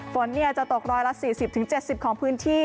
ฝนจะตก๑๔๐๗๐ของพื้นที่